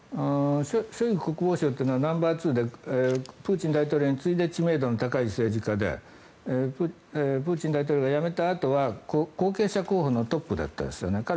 ショイグ国防相というのはナンバーツーでプーチン大統領に次いで知名度の高い政治家でプーチン大統領が辞めたあとは後継者候補のトップでしたよね。